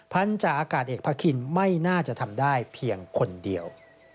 พันธาอากาศเอกพระคินไม่น่าจะทำได้เพียงคนเดียว